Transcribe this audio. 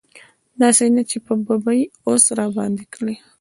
داسې نه چې په ببۍ اوس راباندې کړي.